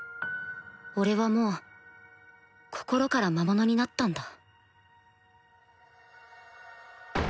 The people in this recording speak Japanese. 俺はもう心から魔物になったんだ。